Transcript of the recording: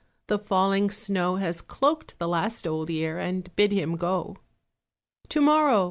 The falling snow Has cloaked the last old year And bid him go. To morrow!